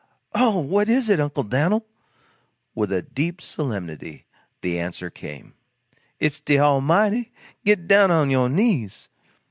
Oh, what is it, Uncle Dan'l!" With deep solemnity the answer came: "It's de Almighty! Git down on yo' knees!"